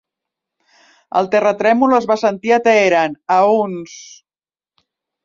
El terratrèmol es va sentir a Teheran, a uns (...)